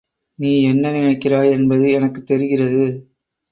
நீ என்ன நினைக்கிறாய் என்பது எனக்குத் தெரிகிறது.